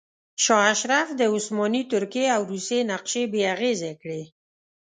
شاه اشرف د عثماني ترکیې او روسیې نقشې بې اغیزې کړې.